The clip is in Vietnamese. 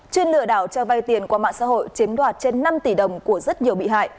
chuyên lửa đảo trao vai tiền qua mạng xã hội chiếm đoạt trên năm tỷ đồng của rất nhiều bị hại